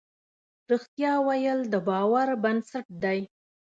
رښتیا ویل د باور بنسټ دی.